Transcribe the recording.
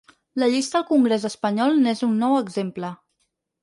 La llista al congrés espanyol n’és un nou exemple.